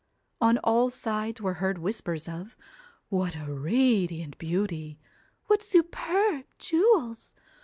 On all sides were heard whispers of, 'What a radiant beauty! what superb jewels!